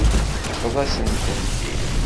Teṭṭfeḍ-asent-t-id.